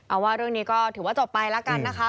เอาว่าเรื่องนี้ก็ถือว่าจบไปแล้วกันนะคะ